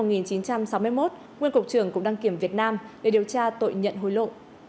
nguyên cục trưởng cục đăng kiểm việt nam để điều tra tội nhận hối lộ